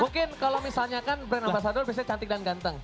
mungkin kalau misalnya kan brand ambasador biasanya cantik dan ganteng